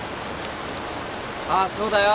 ああそうだよ。